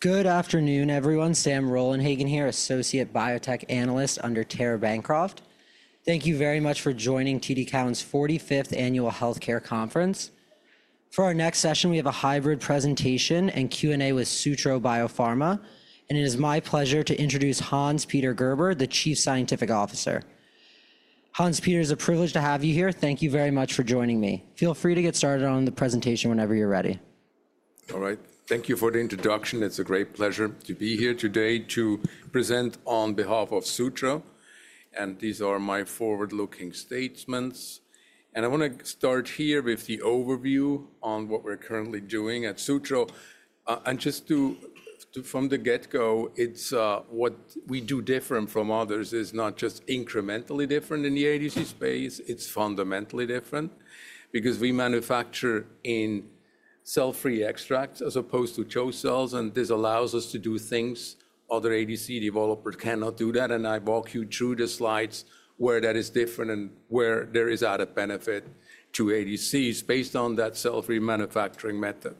Good afternoon, everyone. Sam Rollenhagen here, Associate Biotech Analyst under Tara Bancroft. Thank you very much for joining TD Cowen's 45th Annual Healthcare Conference. For our next session, we have a hybrid presentation and Q&A with Sutro Biopharma, and it is my pleasure to introduce Hans-Peter Gerber, the Chief Scientific Officer. Hans-Peter, it's a privilege to have you here. Thank you very much for joining me. Feel free to get started on the presentation whenever you're ready. All right. Thank you for the introduction. It's a great pleasure to be here today to present on behalf of Sutro. These are my forward-looking statements. I want to start here with the overview on what we're currently doing at Sutro. Just from the get-go, what we do different from others is not just incrementally different in the ADC space. It's fundamentally different because we manufacture in cell-free extracts as opposed to CHO cells. This allows us to do things other ADC developers cannot do. I walk you through the slides where that is different and where there is added benefit to ADCs based on that cell-free manufacturing method.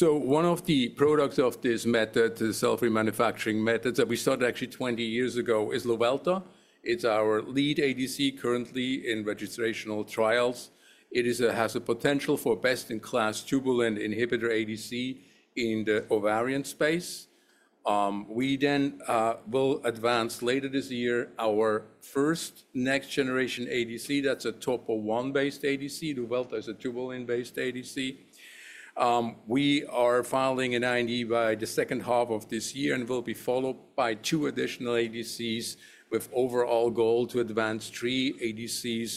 One of the products of this method, the cell-free manufacturing methods that we started actually 20 years ago, is Luvelta. It's our lead ADC currently in registrational trials. It has the potential for best-in-class tubulin inhibitor ADC in the ovarian space. We then will advance later this year our first next-generation ADC that's a Topo1-based ADC. Luvelta is a tubulin-based ADC. We are filing an IND by the second half of this year and will be followed by two additional ADCs with overall goal to advance three ADCs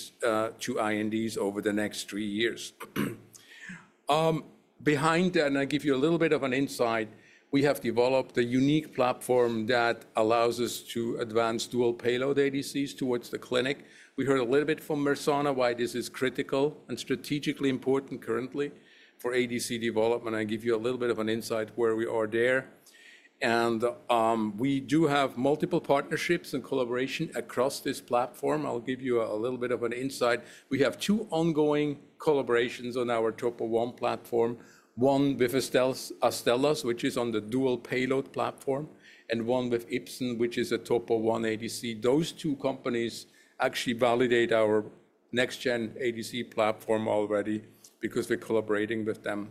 to INDs over the next three years. Behind that, and I'll give you a little bit of an insight, we have developed a unique platform that allows us to advance dual payload ADCs towards the clinic. We heard a little bit from Mersana why this is critical and strategically important currently for ADC development. I'll give you a little bit of an insight where we are there. We do have multiple partnerships and collaboration across this platform. I'll give you a little bit of an insight. We have two ongoing collaborations on our Topo1 platform, one with Astellas, which is on the dual payload platform, and one with Ipsen, which is a Topo1 ADC. Those two companies actually validate our next-gen ADC platform already because we're collaborating with them.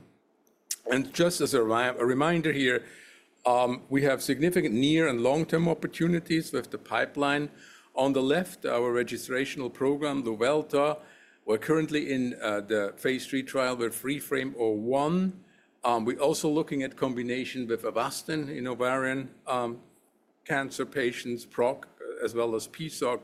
Just as a reminder here, we have significant near and long-term opportunities with the pipeline. On the left, our registrational program, Luvelta. We're currently in the phase III trial with REFRαME-O1. We're also looking at combination with Avastin in ovarian cancer patients, PROC, as well as PSOC.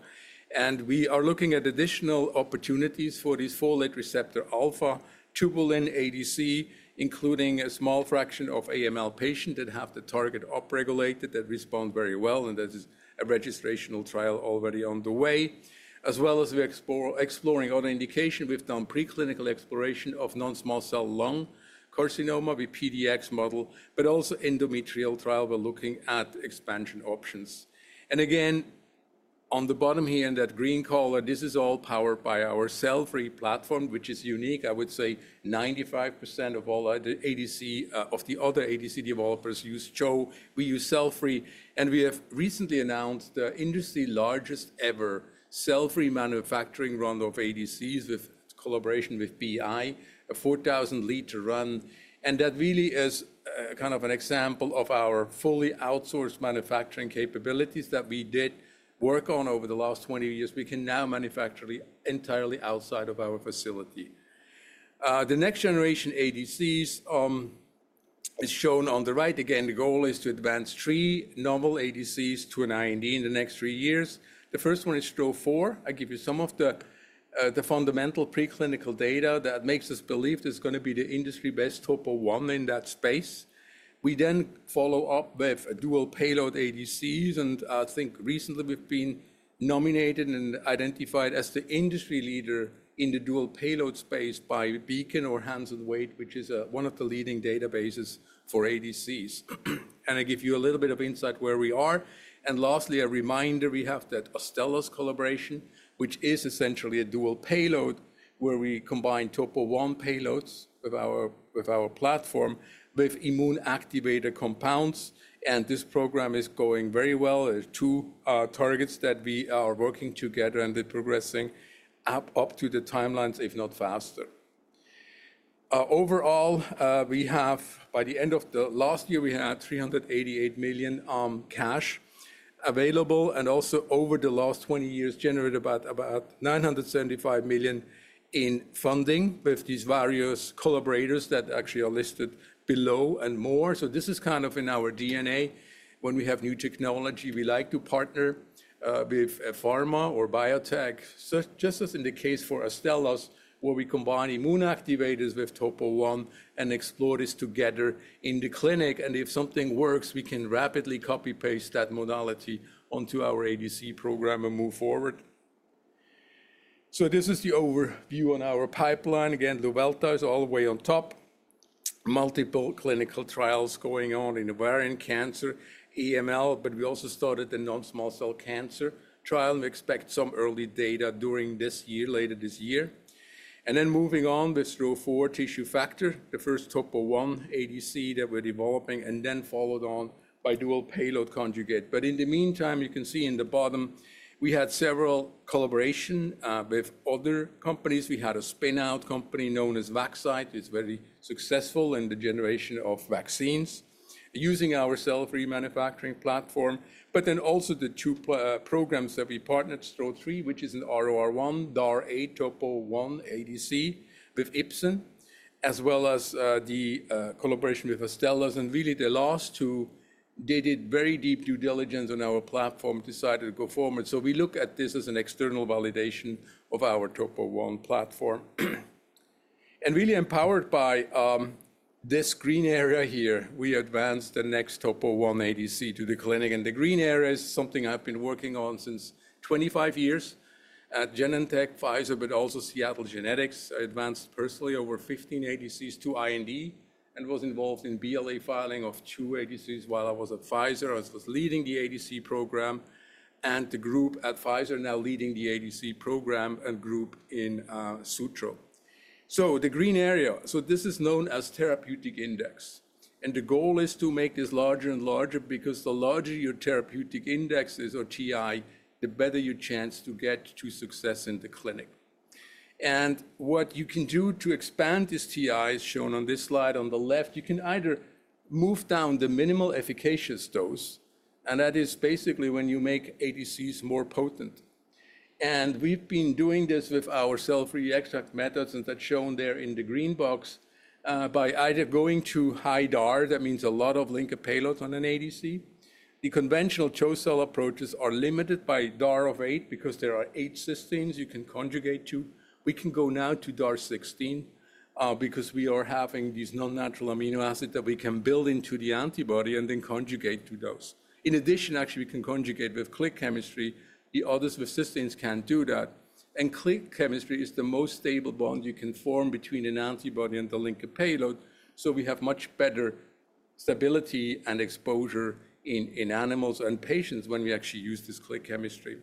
We are looking at additional opportunities for this folate receptor alpha tubulin ADC, including a small fraction of AML patients that have the target upregulated that respond very well. That is a registrational trial already on the way, as well as we're exploring other indications. We've done preclinical exploration of non-small cell lung carcinoma with PDX model, but also endometrial trial. We're looking at expansion options. Again, on the bottom here in that green color, this is all powered by our cell-free platform, which is unique. I would say 95% of all the ADC of the other ADC developers use CHO. We use cell-free, and we have recently announced the industry's largest ever cell-free manufacturing run of ADCs with collaboration with Boehringer Ingelheim, a 4,000-liter run. That really is kind of an example of our fully outsourced manufacturing capabilities that we did work on over the last 20 years. We can now manufacture entirely outside of our facility. The next-generation ADCs is shown on the right. Again, the goal is to advance three novel ADCs to an IND in the next three years. The first one is STRO-004. I'll give you some of the fundamental preclinical data that makes us believe there's going to be the industry best Topo1 in that space. We then follow up with dual payload ADCs. I think recently we've been nominated and identified as the industry leader in the dual payload space by Beacon or Hanson Wade, which is one of the leading databases for ADCs. I'll give you a little bit of insight where we are. Lastly, a reminder, we have that Astellas collaboration, which is essentially a dual payload where we combine Topo1 payloads with our platform with immune activator compounds. This program is going very well. There are two targets that we are working together and they're progressing up to the timelines, if not faster. Overall, we have by the end of the last year, we had $388 million cash available and also over the last 20 years generated about $975 million in funding with these various collaborators that actually are listed below and more. This is kind of in our DNA. When we have new technology, we like to partner with a pharma or biotech, just as in the case for Astellas, where we combine immune activators with topo1 and explore this together in the clinic. If something works, we can rapidly copy-paste that modality onto our ADC program and move forward. This is the overview on our pipeline. Again, Luvelta is all the way on top. Multiple clinical trials going on in ovarian cancer, AML, but we also started the non-small cell cancer trial. We expect some early data during this year, later this year. Moving on with STRO-004 tissue factor, the first topo1 ADC that we're developing, and then followed on by dual payload conjugate. In the meantime, you can see in the bottom, we had several collaborations with other companies. We had a spin-out company known as Vaxcyte. It's very successful in the generation of vaccines using our cell-free manufacturing platform. Also, the two programs that we partnered, STRO-003, which is an ROR1, DAR 8, topo1 ADC with Ipsen, as well as the collaboration with Astellas. The last two did very deep due diligence on our platform, decided to go forward. We look at this as an external validation of our topo1 platform. Really empowered by this green area here, we advanced the next topo1 ADC to the clinic. The green area is something I've been working on since 25 years at Genentech, Pfizer, but also Seattle Genetics. I advanced personally over 15 ADCs to IND and was involved in BLA filing of two ADCs while I was at Pfizer. I was leading the ADC program and the group at Pfizer, now leading the ADC program and group in Sutro. The green area, this is known as therapeutic index. The goal is to make this larger and larger because the larger your therapeutic index is, or TI, the better your chance to get to success in the clinic. What you can do to expand this TI is shown on this slide on the left. You can either move down the minimal efficacious dose, and that is basically when you make ADCs more potent. We've been doing this with our cell-free extract methods, and that's shown there in the green box by either going to high DAR, that means a lot of linker payloads on an ADC. The conventional CHO cell approaches are limited by DAR of eight because there are eight cysteines you can conjugate to. We can go now to DAR 16 because we are having these non-natural amino acids that we can build into the antibody and then conjugate to those. In addition, actually, we can conjugate with click chemistry. The others with cysteines can't do that. Click chemistry is the most stable bond you can form between an antibody and the linker payload. We have much better stability and exposure in animals and patients when we actually use this click chemistry.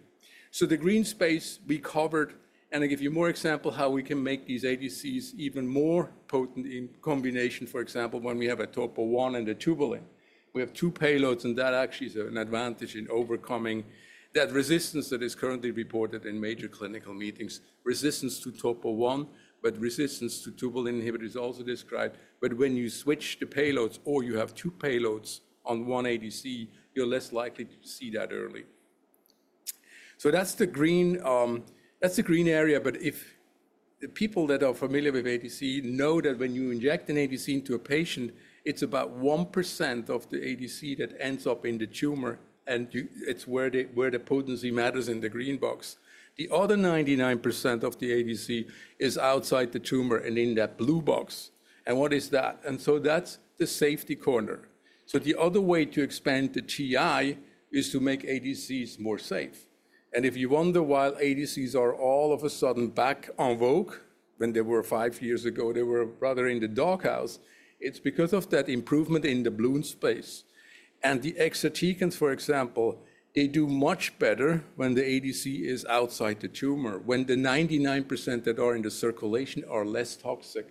The green space we covered, and I'll give you more examples of how we can make these ADCs even more potent in combination, for example, when we have a topo1 and a tubulin. We have two payloads, and that actually is an advantage in overcoming that resistance that is currently reported in major clinical meetings. Resistance to topo1, but resistance to tubulin inhibitors is also described. When you switch the payloads or you have two payloads on one ADC, you're less likely to see that early. That's the green area. If the people that are familiar with ADC know that when you inject an ADC into a patient, it's about 1% of the ADC that ends up in the tumor, and it's where the potency matters in the green box. The other 99% of the ADC is outside the tumor and in that blue box. What is that? That is the safety corner. The other way to expand the TI is to make ADCs more safe. If you wonder why ADCs are all of a sudden back en vogue when five years ago they were rather in the dark house, it is because of that improvement in the bloom space. The exatecans, for example, do much better when the ADC is outside the tumor, when the 99% that are in the circulation are less toxic.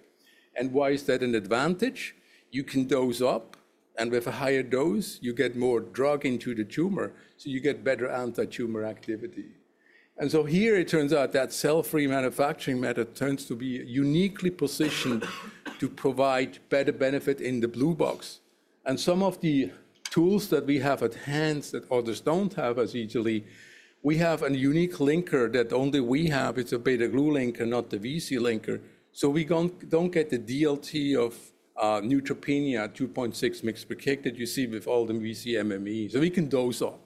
Why is that an advantage? You can dose up, and with a higher dose, you get more drug into the tumor, so you get better anti-tumor activity. Here, it turns out that cell-free manufacturing method turns to be uniquely positioned to provide better benefit in the blue box. Some of the tools that we have at hand that others don't have as easily, we have a unique linker that only we have. It's a beta-glucuronide linker not the VC linker. So we don't get the DLT of neutropenia 2.6 mg per kg that you see with all the vcMMAEs. So we can dose up.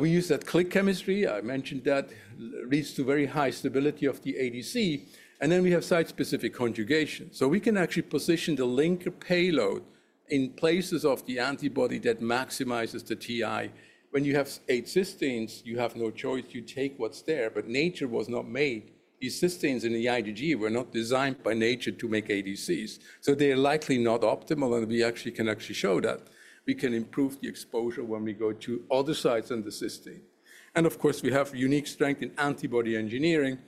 We use that click chemistry I mentioned that leads to very high stability of the ADC. Then we have site-specific conjugation. So we can actually position the linker payload in places of the antibody that maximizes the TI. When you have eight cysteines, you have no choice. You take what's there. Nature was not made. These cysteines in the IgG were not designed by nature to make ADCs. They are likely not optimal. We actually can actually show that we can improve the exposure when we go to other sites on the cysteine. Of course, we have unique strength in antibody engineering.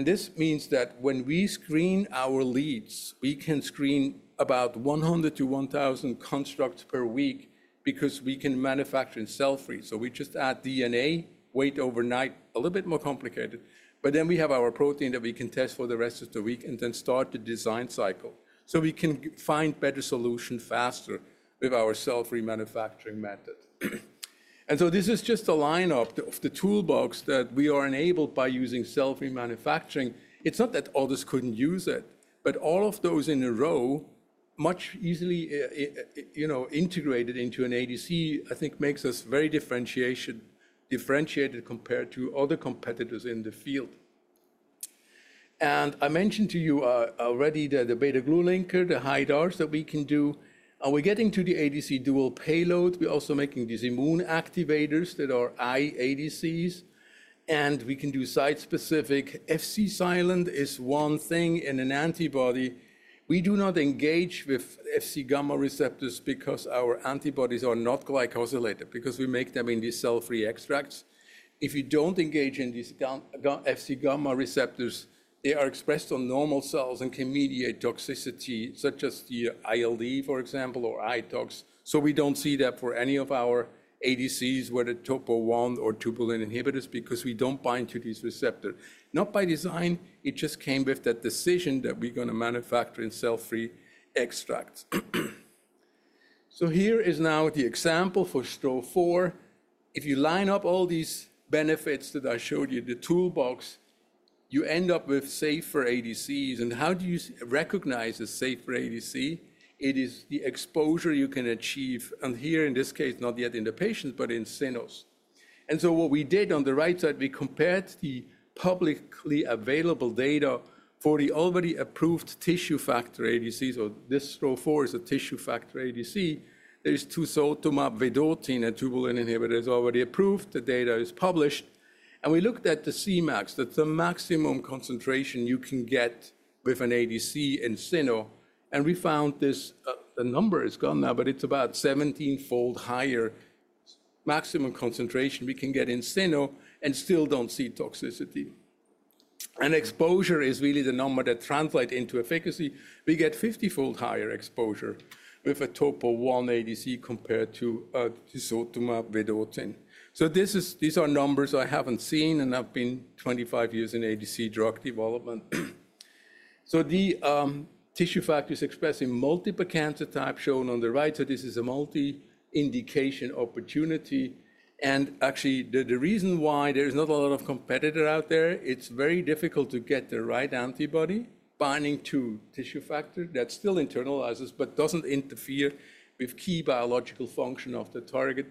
This means that when we screen our leads, we can screen about 100 to 1,000 constructs per week because we can manufacture in cell-free. We just add DNA, wait overnight, a little bit more complicated. Then we have our protein that we can test for the rest of the week and then start the design cycle. We can find better solutions faster with our cell-free manufacturing method. This is just a lineup of the toolbox that we are enabled by using cell-free manufacturing. It's not that others couldn't use it, but all of those in a row, much easily integrated into an ADC, I think makes us very differentiated compared to other competitors in the field. I mentioned to you already that the beta glue linker, the high DARs that we can do, and we're getting to the ADC dual payload. We're also making these immune activators that are IADCs. We can do site-specific. FC silent is one thing in an antibody. We do not engage with FC gamma receptors because our antibodies are not glycosylated, because we make them in these cell-free extracts. If you don't engage in these FC gamma receptors, they are expressed on normal cells and can mediate toxicity, such as the ILD, for example, or eye tox. We do not see that for any of our ADCs with a topo1 or tubulin inhibitors because we do not bind to these receptors. Not by design. It just came with that decision that we are going to manufacture in cell-free extracts. Here is now the example for STRO-004. If you line up all these benefits that I showed you, the toolbox, you end up with safer ADCs. How do you recognize a safer ADC? It is the exposure you can achieve. Here, in this case, not yet in the patients, but in cells. What we did on the right side, we compared the publicly available data for the already approved tissue factor ADC. This STRO-004 is a tissue factor ADC. There are two Tisotumab Vedotin and tubulin inhibitors already approved. The data is published. We looked at the Cmax, the maximum concentration you can get with an ADC in cell. We found this number is gone now, but it's about 17-fold higher maximum concentration we can get in cell and still don't see toxicity. Exposure is really the number that translates into efficacy. We get 50-fold higher exposure with a topo1 ADC compared to Tisotumab Vedotin. These are numbers I haven't seen, and I've been 25 years in ADC drug development. The tissue factors express in multiple cancer types shown on the right. This is a multi-indication opportunity. Actually, the reason why there is not a lot of competitor out there, it's very difficult to get the right antibody binding to tissue factor that still internalizes, but doesn't interfere with key biological function of the target.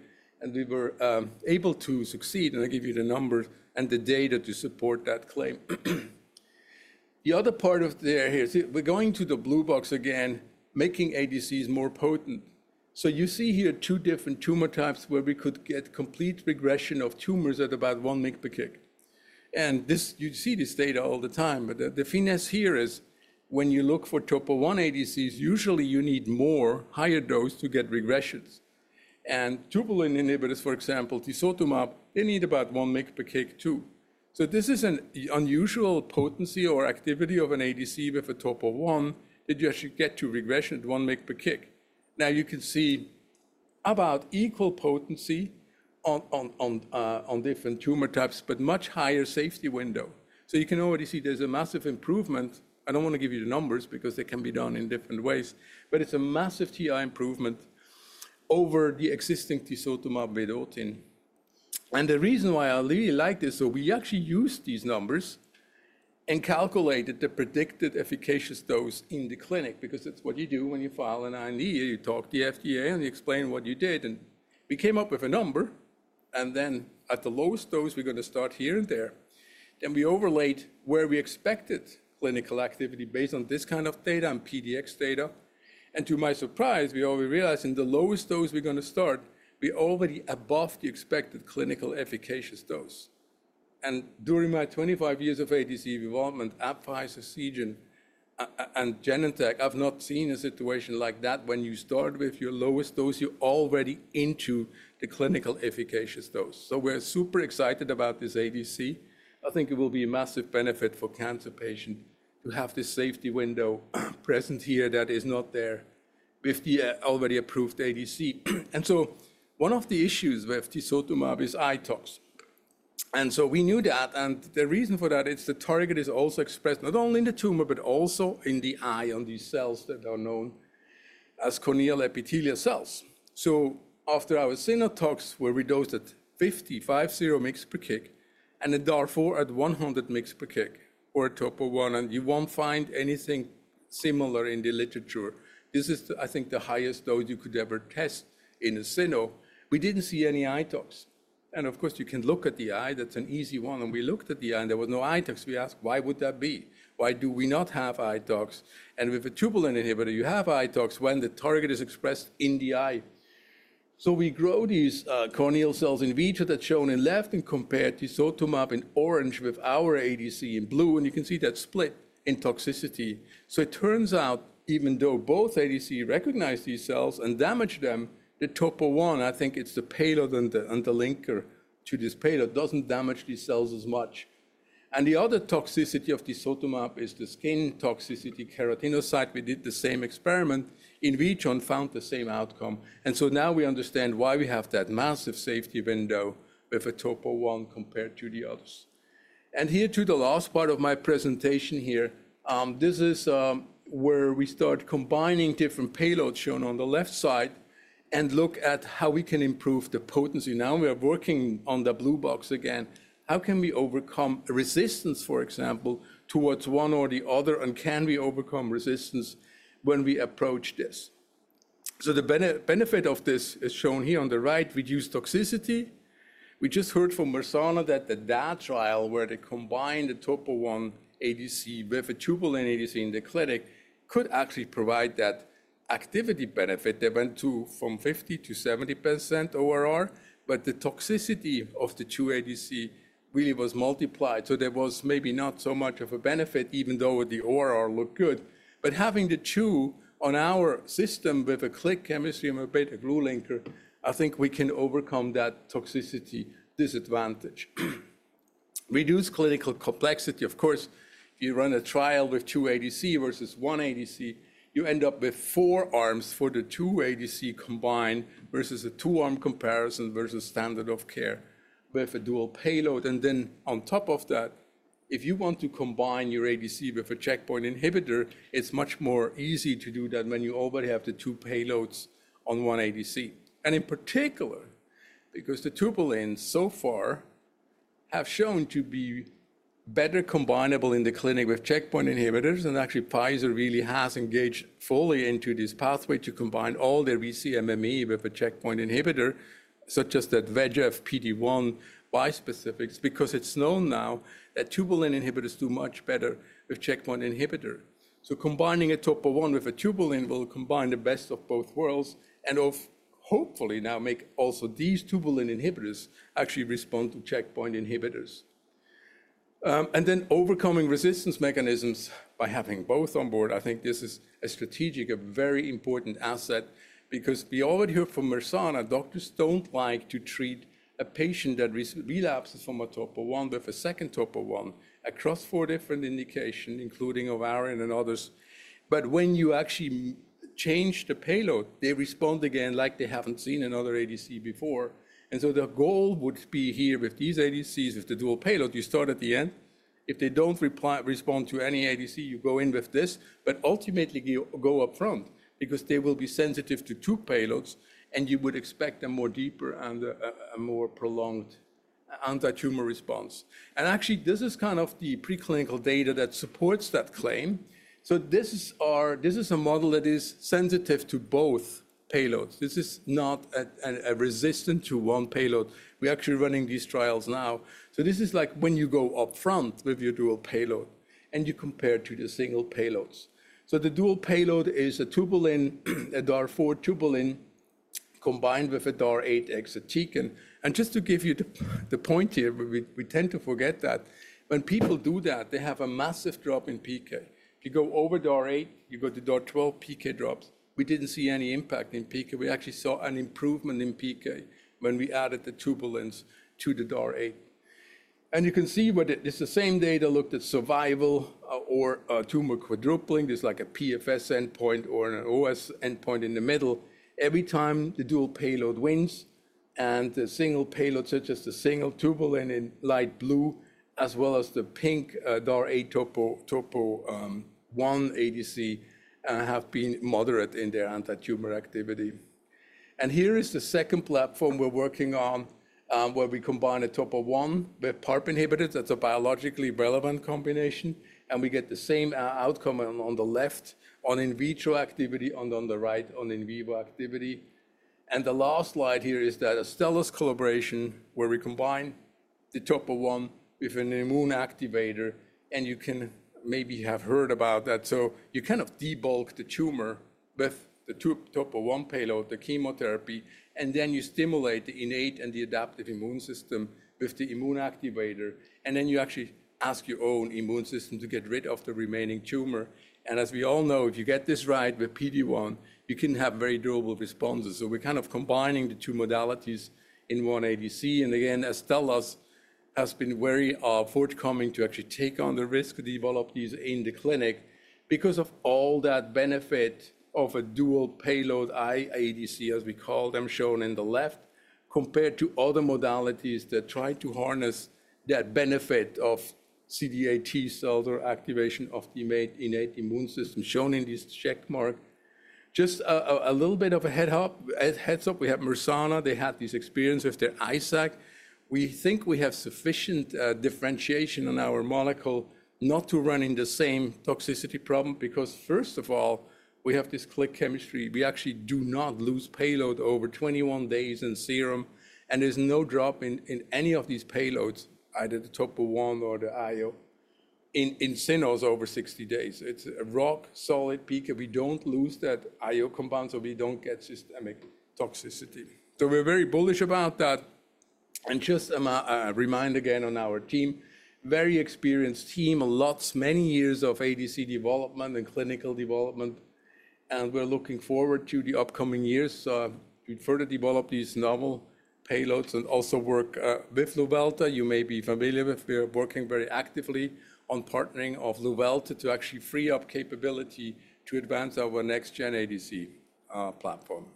We were able to succeed. I'll give you the numbers and the data to support that claim. The other part of there here, we're going to the blue box again, making ADCs more potent. You see here two different tumor types where we could get complete regression of tumors at about 1 mg per kg. You see this data all the time. The finesse here is when you look for topo1 ADCs, usually you need more, higher dose to get regressions. Tubulin inhibitors, for example, the Tisotumab, they need about 1 mg per kg too. This is an unusual potency or activity of an ADC with a topo1 that you actually get to regression at 1 mg per kg. You can see about equal potency on different tumor types, but much higher safety window. You can already see there's a massive improvement. I don't want to give you the numbers because they can be done in different ways, but it's a massive TI improvement over the existing Tisotumab Vedotin. The reason why I really like this, we actually used these numbers and calculated the predicted efficacious dose in the clinic because it's what you do when you file an IND. You talk to the FDA and you explain what you did. We came up with a number. At the lowest dose, we're going to start here and there. We overlaid where we expected clinical activity based on this kind of data and PDX data. To my surprise, we already realized in the lowest dose we're going to start, we're already above the expected clinical efficacious dose. During my 25 years of ADC development at Pfizer, Seagen, and Genentech, I've not seen a situation like that. When you start with your lowest dose, you're already into the clinical efficacious dose. We are super excited about this ADC. I think it will be a massive benefit for cancer patients to have this safety window present here that is not there with the already approved ADC. One of the issues with Tisotumab is eye toxicity. We knew that. The reason for that is the target is also expressed not only in the tumor, but also in the eye on these cells that are known as corneal epithelial cells. After our cytotoxins were reduced at 50 mg per kg and the DAR 4 at 100 mg per kg for a topo1, you will not find anything similar in the literature. This is, I think, the highest dose you could ever test in a cell. We did not see any eye toxicity. Of course, you can look at the eye. That's an easy one. We looked at the eye, and there was no ITOX. We asked, why would that be? Why do we not have ITOX? With a tubulin inhibitor, you have ITOX when the target is expressed in the eye. We grow these corneal cells in vitro, that's shown in left, and compared to Tisotumabin orange with our ADC in blue. You can see that split in toxicity. It turns out, even though both ADC recognize these cells and damage them, the topo1, I think it's the payload and the linker to this payload, doesn't damage these cells as much. The other toxicity of the Tisotumab is the skin toxicity, keratinocyte. We did the same experiment in vitro and found the same outcome. Now we understand why we have that massive safety window with a topo1 compared to the others. Here to the last part of my presentation, this is where we start combining different payloads shown on the left side and look at how we can improve the potency. Now we're working on the blue box again. How can we overcome resistance, for example, towards one or the other? Can we overcome resistance when we approach this? The benefit of this is shown here on the right, reduced toxicity. We just heard from Mersana that the DAR trial where they combined the topo1 ADC with a tubulin ADC in the clinic could actually provide that activity benefit. They went from 50% to 70% ORR, but the toxicity of the two ADC really was multiplied. There was maybe not so much of a benefit, even though the ORR looked good. Having the two on our system with a click chemistry and a beta-glute linker, I think we can overcome that toxicity disadvantage. Reduced clinical complexity. Of course, if you run a trial with two ADC versus one ADC, you end up with four arms for the two ADC combined versus a two-arm comparison versus standard of care with a dual payload. On top of that, if you want to combine your ADC with a checkpoint inhibitor, it's much more easy to do that when you already have the two payloads on one ADC. In particular, because the tubulins so far have shown to be better combineable in the clinic with checkpoint inhibitors. Actually, Pfizer really has engaged fully into this pathway to combine all the VCMME with a checkpoint inhibitor, such as that VEGF PD1 bispecifics, because it is known now that tubulin inhibitors do much better with checkpoint inhibitor. Combining a topo1 with a tubulin will combine the best of both worlds and hopefully now make also these tubulin inhibitors actually respond to checkpoint inhibitors. Overcoming resistance mechanisms by having both on board, I think this is a strategic, a very important asset because we already heard from Mersana, doctors do not like to treat a patient that relapses from a topo1 with a second topo1 across four different indications, including ovarian and others. When you actually change the payload, they respond again like they have not seen another ADC before. The goal would be here with these ADCs, with the dual payload, you start at the end. If they do not respond to any ADC, you go in with this, but ultimately go upfront because they will be sensitive to two payloads, and you would expect a more deep and a more prolonged anti-tumor response. Actually, this is kind of the preclinical data that supports that claim. This is a model that is sensitive to both payloads. This is not resistant to one payload. We are actually running these trials now. This is like when you go upfront with your dual payload and you compare to the single payloads. The dual payload is a tubulin, a DAR 4 tubulin combined with a DAR 8 exatecan. Just to give you the point here, we tend to forget that when people do that, they have a massive drop in PK. If you go over DAR 8, you go to DAR 12, PK drops. We didn't see any impact in PK. We actually saw an improvement in PK when we added the tubulins to the DAR 8. You can see what it is, the same data looked at survival or tumor quadrupling. There's like a PFS endpoint or an OS endpoint in the middle. Every time the dual payload wins and the single payload, such as the single tubulin in light blue, as well as the pink DAR 8 topo1 ADC, have been moderate in their anti-tumor activity. Here is the second platform we're working on where we combine a topo1 with PARP inhibitors. That's a biologically relevant combination. We get the same outcome on the left on in vitro activity and on the right on in vivo activity. The last slide here is that Astellas collaboration where we combine the topo1 with an immune activator. You can maybe have heard about that. You kind of debulk the tumor with the topo1 payload, the chemotherapy, and then you stimulate the innate and the adaptive immune system with the immune activator. You actually ask your own immune system to get rid of the remaining tumor. As we all know, if you get this right with PD1, you can have very durable responses. We are kind of combining the two modalities in one ADC. Astellas has been very forthcoming to actually take on the risk of developing these in the clinic because of all that benefit of a dual payload ADC, as we call them, shown in the left compared to other modalities that try to harness that benefit of CD8 T cell activation of the innate immune system shown in this checkmark. Just a little bit of a heads up, we have Mersana. They had this experience with their ISAC. We think we have sufficient differentiation on our molecule not to run in the same toxicity problem because first of all, we have this click chemistry. We actually do not lose payload over 21 days in serum. And there's no drop in any of these payloads, either the topo1 or the IO in cell over 60 days. It's a rock solid peak. We do not lose that IO compound, so we do not get systemic toxicity. We are very bullish about that. Just a reminder again on our team, very experienced team, lots many years of ADC development and clinical development. We are looking forward to the upcoming years to further develop these novel payloads and also work with Luvelta. You may be familiar with. We are working very actively on partnering with Luvelta to actually free up capability to advance our next gen ADC platform.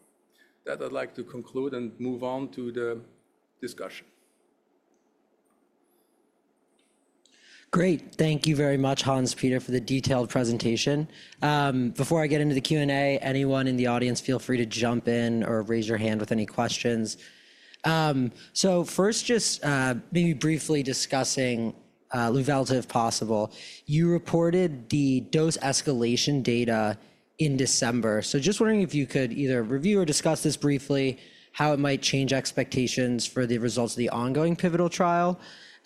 That I would like to conclude and move on to the discussion. Great. Thank you very much, Hans-Peter, for the detailed presentation. Before I get into the Q&A, anyone in the audience, feel free to jump in or raise your hand with any questions. First, just maybe briefly discussing Luvelta, if possible. You reported the dose escalation data in December. Just wondering if you could either review or discuss this briefly, how it might change expectations for the results of the ongoing pivotal trial,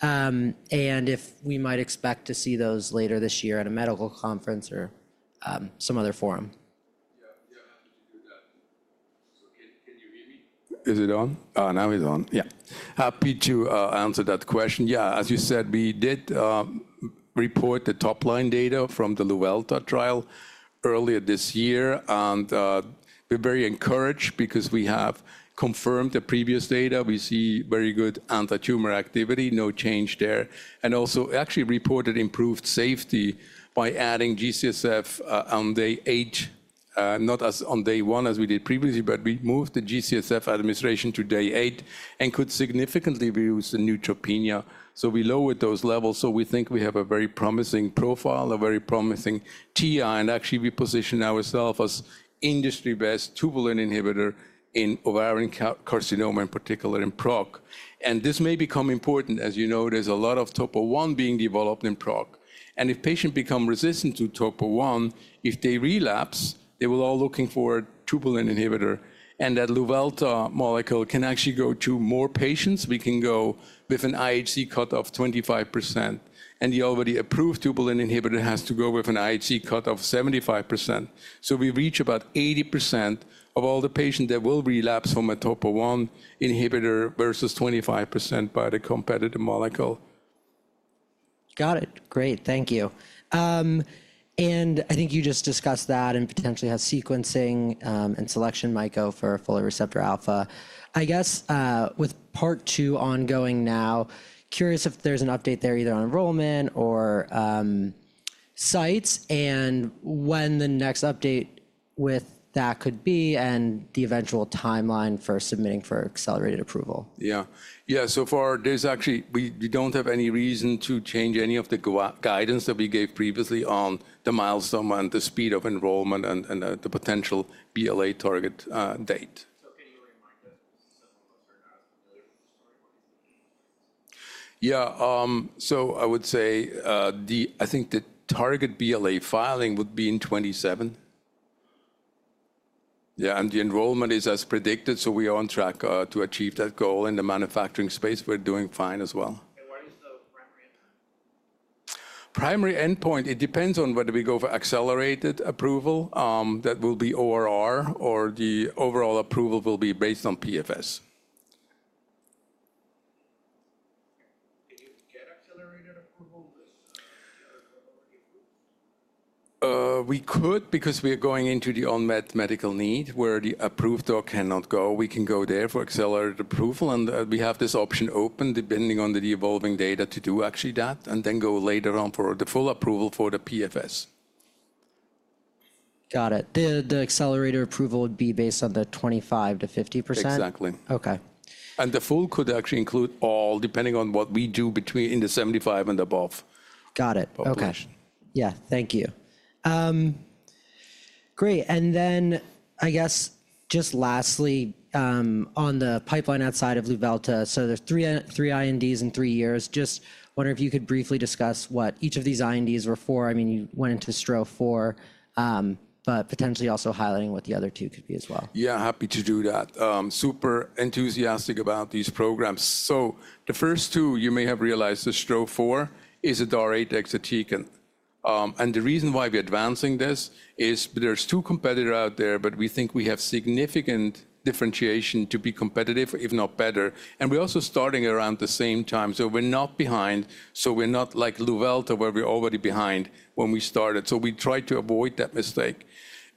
and if we might expect to see those later this year at a medical conference or some other forum. Yeah, I have to do that. Can you hear me? Is it on? Oh, now it's on. Yeah. Happy to answer that question. Yeah, as you said, we did report the top line data from the Luvelta trial earlier this year. We're very encouraged because we have confirmed the previous data. We see very good anti-tumor activity, no change there. Also actually reported improved safety by adding G-CSF on day eight, not as on day one as we did previously, but we moved the G-CSF administration to day eight and could significantly reduce the neutropenia. We lowered those levels. We think we have a very promising profile, a very promising TI. Actually, we position ourselves as industry best tubulin inhibitor in ovarian carcinoma, in particular in PROC. This may become important. As you know, there's a lot of topo1 being developed in PROC. If patients become resistant to topo1, if they relapse, they will all be looking for a tubulin inhibitor. That Luvelta molecule can actually go to more patients. We can go with an IHC cut of 25%. The already approved tubulin inhibitor has to go with an IHC cut of 75%. We reach about 80% of all the patients that will relapse from a topo1 inhibitor versus 25% by the competitive molecule. Got it. Great. Thank you. I think you just discussed that and potentially how sequencing and selection might go for folate receptor alpha. I guess with part two ongoing now, curious if there's an update there either on enrollment or sites, and when the next update with that could be and the eventual timeline for submitting for accelerated approval. Yeah, yeah. So far, we don't have any reason to change any of the guidance that we gave previously on the milestone and the speed of enrollment and the potential BLA target date. Can you remind us because some folks are not as familiar with the story? Yeah. I would say I think the target BLA filing would be in 2027. Yeah. The enrollment is as predicted. We are on track to achieve that goal in the manufacturing space. We're doing fine as well. What is the primary endpoint? Primary endpoint, it depends on whether we go for accelerated approval. That will be ORR, or the overall approval will be based on PFS. Can you get accelerated approval with the other drug already approved? We could because we are going into the unmet medical need where the approved drug cannot go. We can go there for accelerated approval. We have this option open depending on the evolving data to do actually that and then go later on for the full approval for the PFS. Got it. The accelerated approval would be based on the 25-50%? Exactly. Okay. The full could actually include all depending on what we do between in the 75 and above. Got it. Okay. Yeah. Thank you. Great. I guess just lastly on the pipeline outside of Luvelta, so there's three INDs in three years. Just wondering if you could briefly discuss what each of these INDs were for. I mean, you went into STRO-004, but potentially also highlighting what the other two could be as well. Yeah, happy to do that. Super enthusiastic about these programs. The first two, you may have realized the STRO-004 is a DAR 8 exotican. The reason why we're advancing this is there's two competitors out there, but we think we have significant differentiation to be competitive, if not better. We're also starting around the same time. We're not behind. We're not like Luvelta where we're already behind when we started. We tried to avoid that mistake.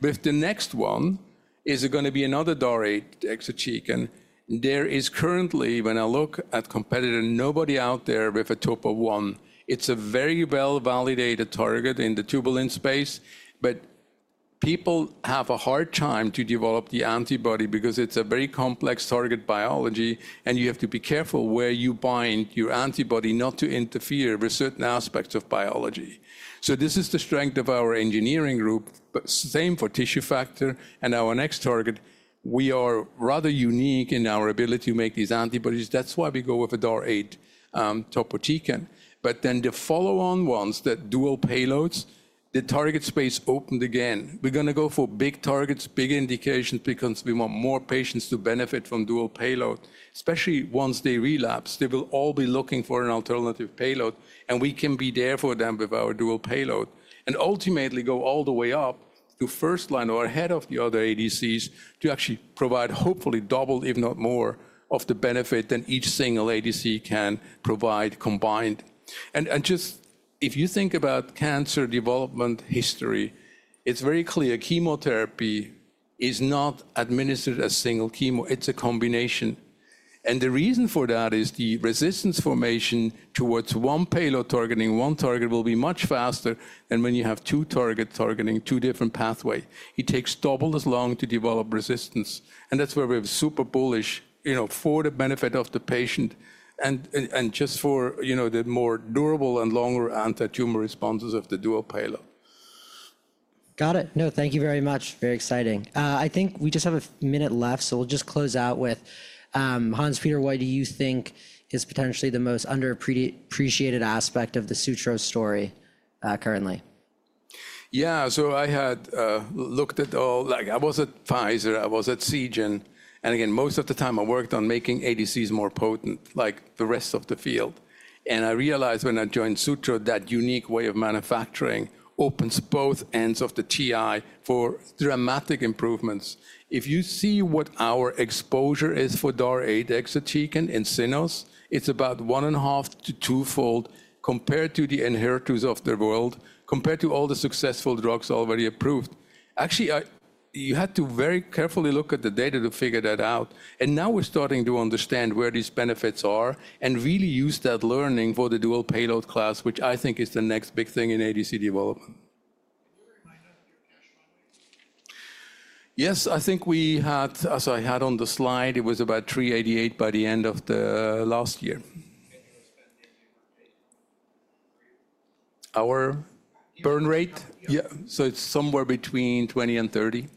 With the next one, is it going to be another DAR 8 exotican? There is currently, when I look at competitor, nobody out there with a topo1. It's a very well-validated target in the tubulin space, but people have a hard time to develop the antibody because it's a very complex target biology. You have to be careful where you bind your antibody not to interfere with certain aspects of biology. This is the strength of our engineering group, same for tissue factor. Our next target, we are rather unique in our ability to make these antibodies. That's why we go with a DAR 8 topotecan. The follow-on ones, that dual payloads, the target space opened again. We're going to go for big targets, big indications because we want more patients to benefit from dual payload, especially once they relapse. They will all be looking for an alternative payload. We can be there for them with our dual payload and ultimately go all the way up to first line or ahead of the other ADCs to actually provide hopefully double, if not more, of the benefit than each single ADC can provide combined. If you think about cancer development history, it's very clear chemotherapy is not administered as single chemo. It's a combination. The reason for that is the resistance formation towards one payload targeting one target will be much faster than when you have two targets targeting two different pathways. It takes double as long to develop resistance. That's where we're super bullish for the benefit of the patient and just for the more durable and longer anti-tumor responses of the dual payload. Got it. No, thank you very much. Very exciting. I think we just have a minute left, so we'll just close out with, Hans-Peter, what do you think is potentially the most underappreciated aspect of the Sutro story currently? Yeah, so I had looked at all, like I was at Pfizer, I was at Seagen. Again, most of the time I worked on making ADCs more potent, like the rest of the field. I realized when I joined Sutro, that unique way of manufacturing opens both ends of the TI for dramatic improvements. If you see what our exposure is for DAR 8 exotican in cells, it's about one and a half to twofold compared to the Enhertus of the world, compared to all the successful drugs already approved. Actually, you had to very carefully look at the data to figure that out. Now we're starting to understand where these benefits are and really use that learning for the dual payload class, which I think is the next big thing in ADC development. Can you remind us of your cash run rate? Yes, I think we had, as I had on the slide, it was about $388 million by the end of the last year. And you were spending your burn rate? Our burn rate? Yeah. It is somewhere between $20 million-$30 million.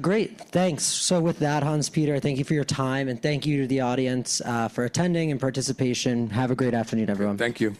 Great. Thanks. With that, Hans-Peter, thank you for your time. Thank you to the audience for attending and participation. Have a great afternoon, everyone. Thank you.